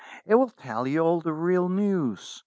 It will tell you all the real news.